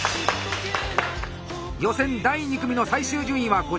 予選第２組の最終順位はこちら。